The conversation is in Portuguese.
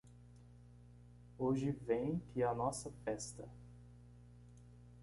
Hoje vem que a nossa festa.